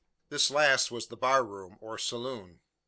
This last was the bar room, or "saloon."